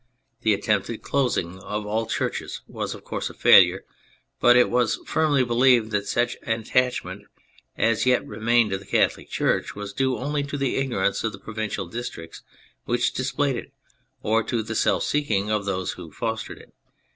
The attempted closing 252 THE FRENCH REVOLUTION of all churches was, of course, a failure, but it was firmly believed that such attachment as yet remained to the Catholic Church was due only to the ignorance of the provincial districts which displayed it, or to the self seeking of those who fostered it.